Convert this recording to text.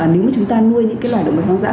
nếu mà chúng ta nuôi những loài động vật hoang dã